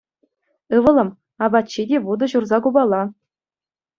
Ывӑлӑм, апат ҫи те вутӑ ҫурса купала.